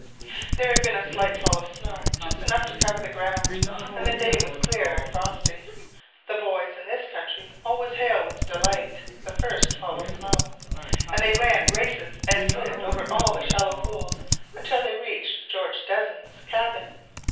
"There had been a slight fall of snow, just enough to cover the ground, and the day was clear and frosty. The boys in this country always hail with delight the first fall of snow; and they ran races and slid over all the shallow pools, until they reached George Desne's cabin.